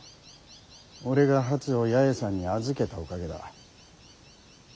俺が初を八重さんに預けたおかげだ。